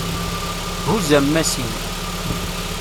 Huzz ammas-im.